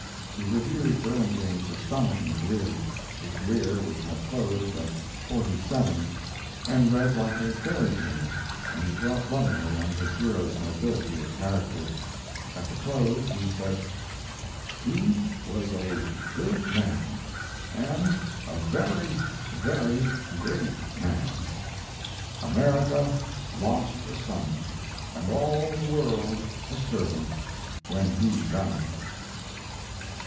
He reviewed Burlingame's astonishing career the career which had closed at forty seven, and read like a fairy tale and he dwelt lovingly on his hero's nobility of character. At the close he said: "He was a good man, and a very, very great man. America, lost a son, and all the world a servant, when he died."